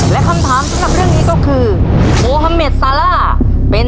และคำถามกับเรื่องนี้ก็คือ